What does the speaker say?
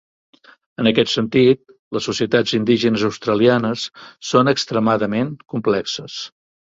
En aquest sentit, les societats indígenes australianes són extremadament complexes.